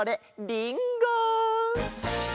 りんご！